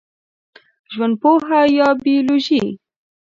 ژوندپوهه یا بېولوژي